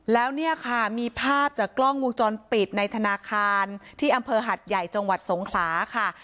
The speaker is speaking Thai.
แล้วเนี่ยค่ะมีภาพจากกล้องวงจรปิดในธนาคารที่อำเภอหัดใหญ่จังหวัดสงขลาค่ะ